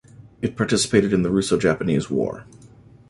It participated in the Russo-Japanese War.